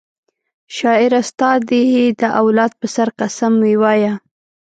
شاعره ستا دي د اولاد په سر قسم وي وایه